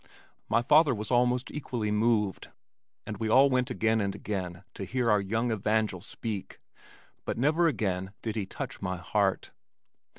My father was almost equally moved and we all went again and again to hear our young evangel speak but never again did he touch my heart.